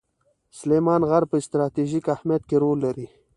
سلیمان غر په ستراتیژیک اهمیت کې رول لري.